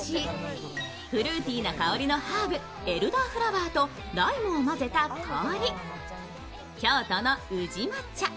フルーティーな香りのハーブエルダーフラワーとライムを混ぜた氷、京都の宇治抹茶。